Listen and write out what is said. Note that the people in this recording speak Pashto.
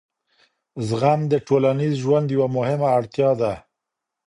زغم د ټولنیز ژوند یوه مهمه اړتیا ده.